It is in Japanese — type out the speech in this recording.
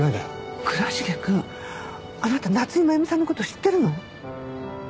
倉重くんあなた夏井真弓さんの事知ってるの？